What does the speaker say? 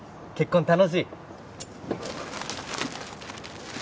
結婚楽しい？